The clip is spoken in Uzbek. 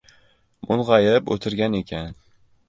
mung‘ayib o‘tirgan ekan.